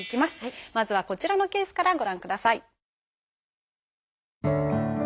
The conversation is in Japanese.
まずはこちらのケースからご覧ください。